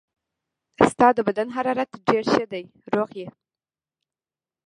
ستا د بدن حرارت ډېر ښه دی، روغ یې.